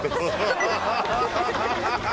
ハハハハ！